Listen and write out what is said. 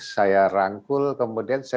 saya rangkul kemudian saya